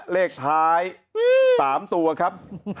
เลขท้าย๓ตัวครับ